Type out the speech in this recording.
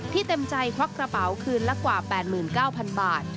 เต็มใจควักกระเป๋าคืนละกว่า๘๙๐๐บาท